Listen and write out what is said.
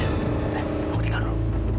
aku tinggal dulu